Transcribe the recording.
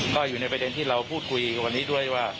ก็อยู่ในประเด็นที่เราพูดคุยวันนี้ด้วยว่า